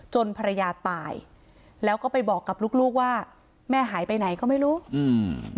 ภรรยาตายแล้วก็ไปบอกกับลูกลูกว่าแม่หายไปไหนก็ไม่รู้อืม